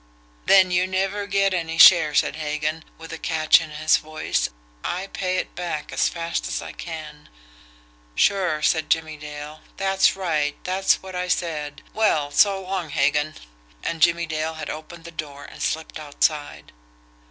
"Then you never get any share," said Hagan, with a catch in his voice. "I pay it back as fast as I can." "Sure," said Jimmie Dale. "That's right that's what I said. Well, so long Hagan." And Jimmie Dale had opened the door and slipped outside.